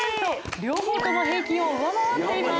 両方とも平均を上回っています。